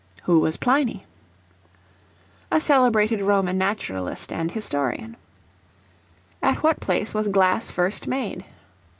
Who was Pliny? A celebrated Roman naturalist and historian. At what place was Glass first made?